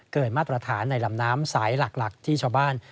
มาตรฐานในลำน้ำสายหลักที่ชาวบ้าน